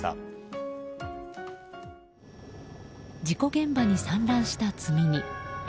事故現場に散乱した積み荷。